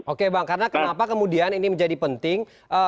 oke bang karena kenapa kemudian ini menjadi penting